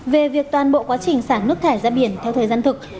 về việc toàn bộ quá trình xả nước thải ra biển theo thời gian thực